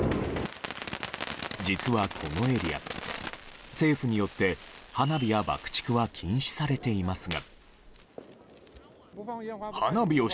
実は、このエリア政府によって、花火や爆竹は禁止されていますが。